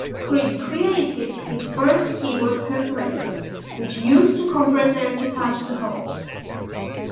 Creed created his first keyboard perforator, which used compressed air to punch the holes.